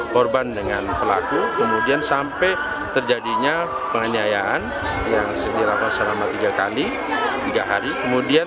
tiga kali tiga hari kemudian sampai meninggal dunia